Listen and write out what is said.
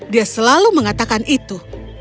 dia selalu mengatakan itu